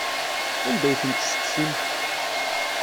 Anda ay tent-tessefsim?